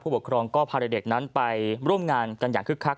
ปกครองก็พาเด็กนั้นไปร่วมงานกันอย่างคึกคัก